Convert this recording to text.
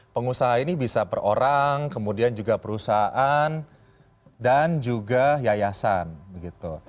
pengusaha ini bisa per orang kemudian juga perusahaan dan juga yayasan begitu